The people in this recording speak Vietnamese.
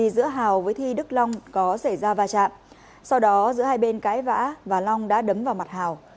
giữa hào với thi đức long có xảy ra vai trạm sau đó giữa hai bên cái vã và long đã đấm vào mặt hào